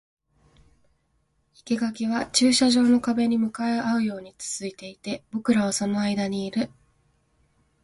生垣は駐車場の壁に向かい合うように続いていて、僕らはその間にいる